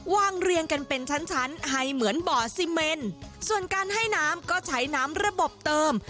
เรียงกันเป็นชั้นชั้นให้เหมือนบ่อซีเมนส่วนการให้น้ำก็ใช้น้ำระบบเติม